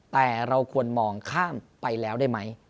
แต่เราควรมองข้ามไปแล้วได้ไหม